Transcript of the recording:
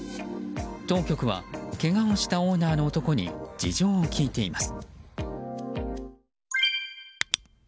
当局はけがをしたオーナーの男に事情を聴いています。